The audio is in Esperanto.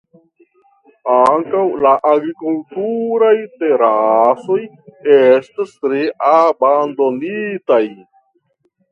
Ankaŭ la agrikulturaj terasoj estas tre abandonitaj.